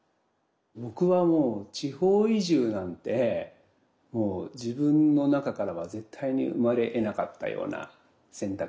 僕はもう地方移住なんてもう自分の中からは絶対に生まれえなかったような選択。